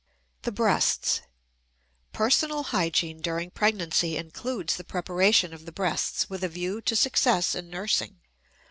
THE BREASTS. Personal hygiene during pregnancy includes the preparation of the breasts with a view to success in nursing.